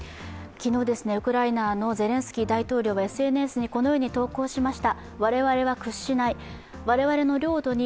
昨日、ウクライナのゼレンスキー大統領はＳＮＳにこのように投稿しました。